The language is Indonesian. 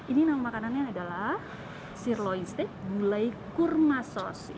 ini nama makanannya adalah sirloin steak gulai kurma sosi